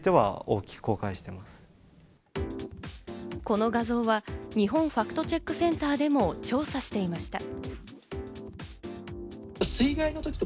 この画像は日本ファクトチェックセンターでも調査していました。